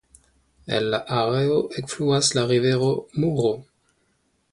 El la areo ekfluas la rivero Muro.